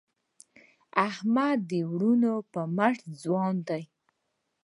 احمد د وروڼو په مټ ځوان دی.